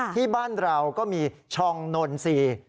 ที่บ้านเราก็มีช่องโนนซี